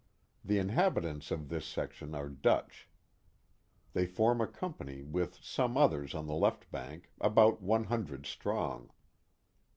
The inhabitants of this section are Dutch. They form a company with some others on the left bank, about one hundred strong.